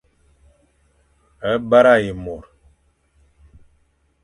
Bara ye môr.